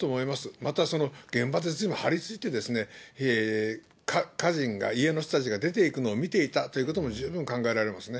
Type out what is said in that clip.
またその現場でずいぶん張り付いてですね、家人が、家の人たちが出ていくのを見ていたということも十分考えられますね。